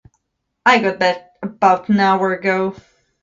I got back about an hour ago.